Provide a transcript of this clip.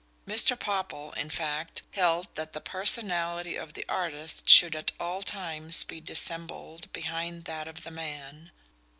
Mr. Popple, in fact, held that the personality of the artist should at all times be dissembled behind that of the man.